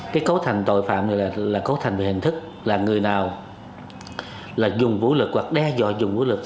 cái cấu thành tội phạm này là cấu thành về hình thức là người nào là dùng vũ lực hoặc đe dọa dùng vũ lực